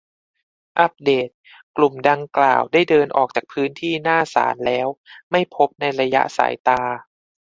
อัปเดต : กลุ่มดังกล่าวได้เดินออกจากพื้นที่หน้าศาลแล้ว ไม่พบในระยะสายตา